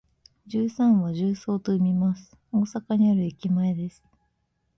十三は「じゅうそう」と読みます。大阪にある駅前です。